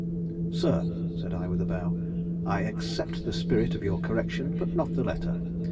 "Sir," said I with a bow, "I accept the spirit of your correction but not the letter.